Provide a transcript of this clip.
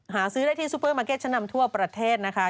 หาซื้อได้ที่ซูเปอร์มาร์เก็ตชั้นนำทั่วประเทศนะคะ